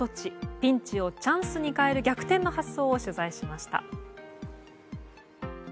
ピンチをチャンスに変える逆転の発想を取材しました。